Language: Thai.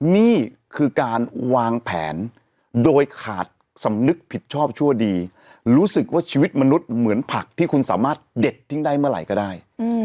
นี่คือการวางแผนโดยขาดสำนึกผิดชอบชั่วดีรู้สึกว่าชีวิตมนุษย์เหมือนผักที่คุณสามารถเด็ดทิ้งได้เมื่อไหร่ก็ได้